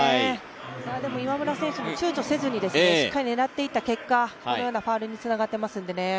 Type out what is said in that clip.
今村選手もちゅうちょせずにしっかり狙っていった結果、このようなファウルにつながっていますのでね。